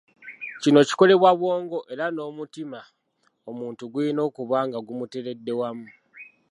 Kino kikolebwa bwongo, era n’omutima omuntu gulina okuba nga gumuteredde wamu.